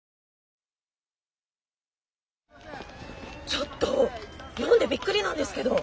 ちょっと読んでびっくりなんですけど。